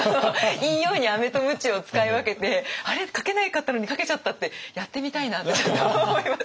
いいようにアメとムチを使い分けて「あれ？書けなかったのに書けちゃった」ってやってみたいなってちょっと思います。